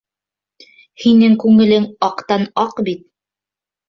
Һинең күңелең аҡтан-аҡ бит...